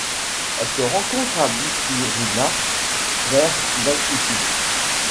Elle se rencontre à Bituruna vers d'altitude.